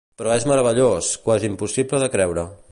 Però és meravellós, quasi impossible de creure.